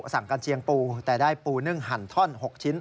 กระเจียงปูแต่ได้ปูนึ่งหั่นท่อน๖ชิ้น